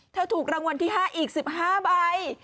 ถูกรางวัลที่๕อีก๑๕ใบ